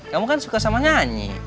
kamu kan suka sama nyanyi